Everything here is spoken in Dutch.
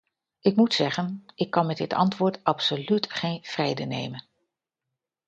Ik moet zeggen, ik kan met dit antwoord absoluut geen vrede nemen.